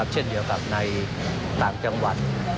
เช่นเดียวกับในต่างจังหวัด